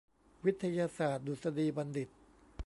วิทยาศาสตร์ดุษฎีบัณฑิต